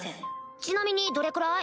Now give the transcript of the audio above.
ちなみにどれくらい？